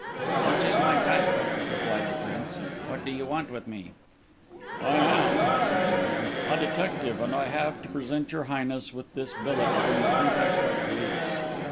"Such is my title," replied the Prince. "What do you want with me?" "I am," said the man, "a detective, and I have to present your Highness with this billet from the Prefect of Police."